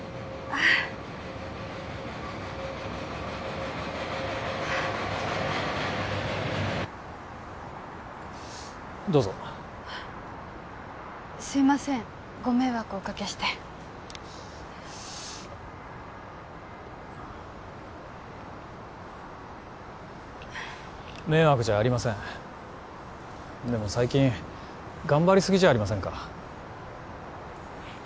あっどうぞすいませんご迷惑をおかけして迷惑じゃありませんでも最近頑張りすぎじゃありませんか？